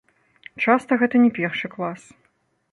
Часта гэта не першы клас.